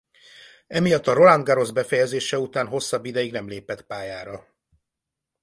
Emiatt a Roland Garros befejezése után hosszabb ideig nem lépett pályára.